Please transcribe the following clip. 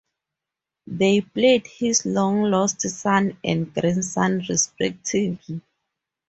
They played his long-lost son and grandson, respectively.